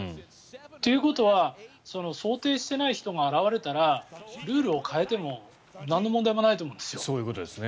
ということは想定していない人が現れたらルールを変えてもなんの問題もないと思うんですよ。